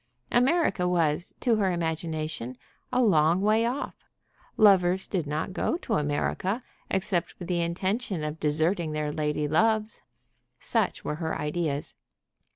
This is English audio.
America was, to her imagination, a long way off. Lovers did not go to America except with the intention of deserting their ladyloves. Such were her ideas.